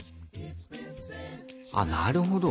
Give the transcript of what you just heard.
あっなるほど。